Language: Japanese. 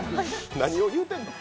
何を言うてんの？